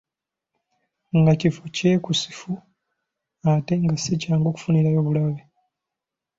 Nga kifo kyekusifu ate nga si kyangu kufunirayo bulabe.